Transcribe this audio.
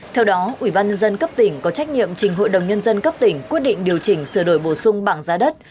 theo đó ủy ban nhân dân cấp tỉnh có trách nhiệm trình hội đồng nhân dân cấp tỉnh quyết định điều chỉnh sửa đổi bổ sung bảng giá đất